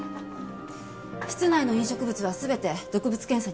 室内の飲食物は全て毒物検査に回します。